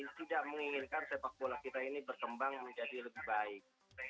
kita tidak menginginkan sepak bola kita ini berkembang menjadi lebih baik